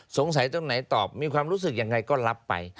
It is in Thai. สงสัยตรงไหนตอบมีความรู้สึกยังไงก็รับไป